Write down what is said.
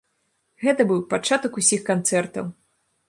Гэта быў пачатак усіх канцэртаў!